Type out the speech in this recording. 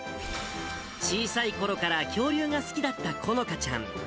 小さいころから恐竜が好きだったこのかちゃん。